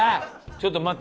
ちょっと待って。